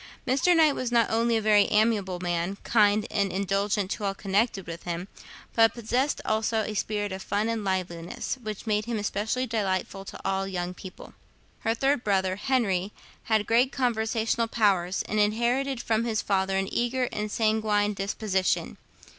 Mr. Knight was not only a very amiable man, kind and indulgent to all connected with him, but possessed also a spirit of fun and liveliness, which made him especially delightful to all young people. Her third brother, Henry, had great conversational powers, and inherited from his father an eager and sanguine disposition.